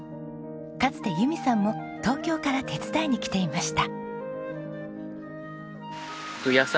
かつて由美さんも東京から手伝いに来ていました。